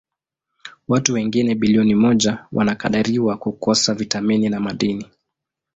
Watu wengine bilioni moja wanakadiriwa kukosa vitamini na madini.